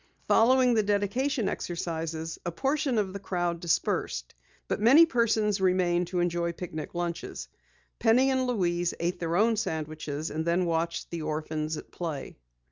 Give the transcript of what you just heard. Following the dedication exercises, a portion of the crowd dispersed, but many persons remained to enjoy picnic lunches. Penny and Louise ate their own sandwiches, and then watched the orphans at play.